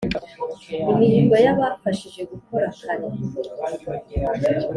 Imihigo yabafashije gukora kare